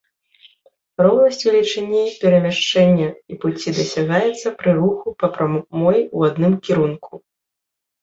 Роўнасць велічыні перамяшчэння і пуці дасягаецца пры руху па прамой у адным кірунку.